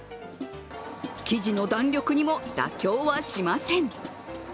生地の弾力にも妥協はしません。